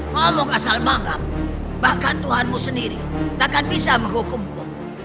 hehehe ngomong asal manggam bahkan tuhanmu sendiri takkan bisa menghukumku